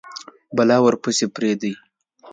بلا ورپسي پریده یﺉ